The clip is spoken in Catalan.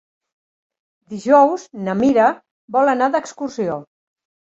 Dijous na Mira vol anar d'excursió.